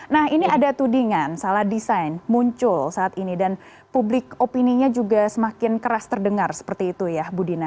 nah ini ada tudingan salah desain muncul saat ini dan publik opininya juga semakin keras terdengar seperti itu ya bu dina